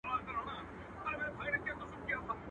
o پردى کټ تر نيمو شپو وي.